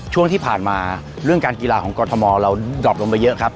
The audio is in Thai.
ช่วงที่ผ่านมาเรื่องการกีฬาของกรทมเราดอบลงไปเยอะครับ